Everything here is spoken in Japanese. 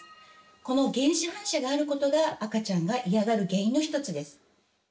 この原始反射があることが赤ちゃんが嫌がる原因の１つです。